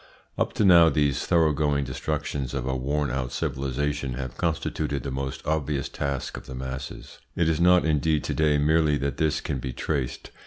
Up to now these thoroughgoing destructions of a worn out civilisation have constituted the most obvious task of the masses. It is not indeed to day merely that this can be traced.